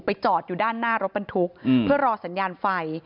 จอดอยู่ด้านหน้ารถบรรทุกเพื่อรอสัญญาณไฟ